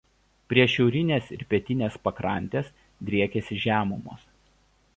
Prie šiaurinės ir pietinės pakrantės driekiasi žemumos.